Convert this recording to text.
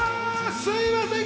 すみません！